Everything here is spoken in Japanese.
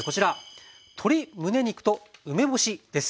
鶏むね肉と梅干しです。